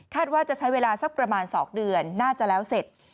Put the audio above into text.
ว่าจะใช้เวลาสักประมาณ๒เดือนน่าจะแล้วเสร็จ